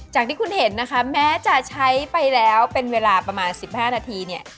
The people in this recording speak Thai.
จากที่คุณเห็นนะคะแม้จะใช้ไปแล้วเป็นเวลาประมาณ๑๕นาทีเนี่ย